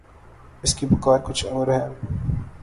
اس کی پکار کچھ اور ہے۔